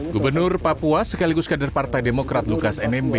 gubernur papua sekaligus kader partai demokrat lukas nmb